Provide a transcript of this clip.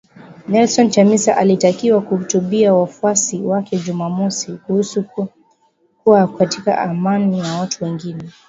Nelson Chamisa, alitakiwa kuhutubia wafuasi wake Jumamosi kuhusu kuwa katika amani na watu wengine